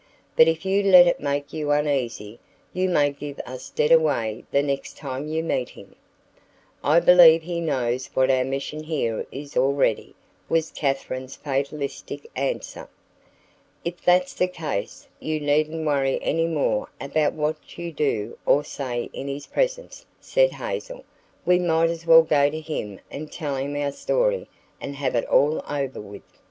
But if you let it make you uneasy, you may give us dead away the next time you meet him." "I believe he knows what our mission here is already," was Katharine's fatalistic answer. "If that's the case, you needn't worry any more about what you do or say in his presence," said Hazel. "We might as well go to him and tell him our story and have it all over with."